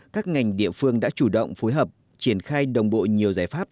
các ngành địa phương đã chủ động phối hợp triển khai đồng bộ nhiều giải pháp